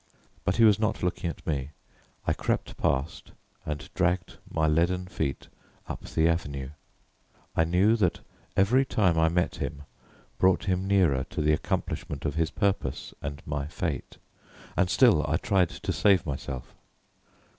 But he was not looking at me. I crept past and dragged my leaden feet up the Avenue. I knew that every time I met him brought him nearer to the accomplishment of his purpose and my fate. And still I tried to save myself.